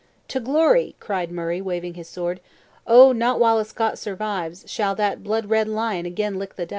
"To glory!" cried Murray, waving his sword; "O! not while a Scot survives, shall that blood red lion again lick the dust!"